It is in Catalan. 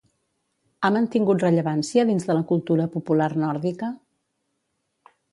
Ha mantingut rellevància dins de la cultura popular nòrdica?